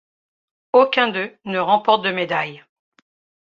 Aucun d'eux ne remporte de médaille.